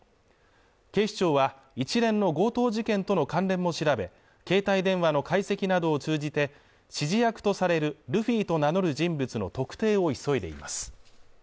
警視庁は一連の強盗事件との関連も調べ携帯電話の解析などを通じて指示役とされるルフィと名乗る人物の特定を急いでいます